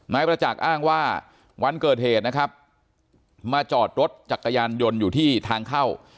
นายประจักษ์อ้างว่าวันเกิดเหตุนะครับมาจอดรถจักรยานยนต์อยู่ที่ทางเข้า